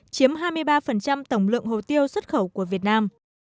chiếm hai mươi ba tổng lượng hồ tiêu xuất khẩu của việt nam